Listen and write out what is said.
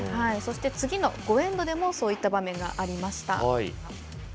そして次の５エンドでもそういった場面がありました。